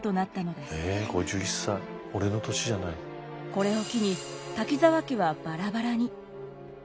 これを機に滝沢家はバラバラに。